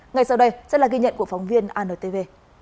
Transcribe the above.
ngay sau đây sẽ là ghi nhận của phóng viên ano tv